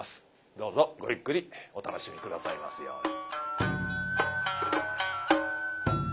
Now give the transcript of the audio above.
どうぞごゆっくりお楽しみ下さいますように。